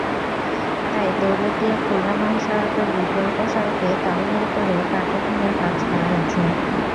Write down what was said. তাই দৌলতদিয়া-খুলনা মহাসড়কের বিকল্প সড়কে তড়িঘড়ি করে কার্পেটিংয়ের কাজ করা হয়েছে।